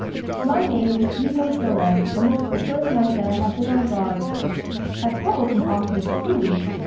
"My name is Itô Sôda, and this is the first night that I have been on guard." "A troublesome office, truly!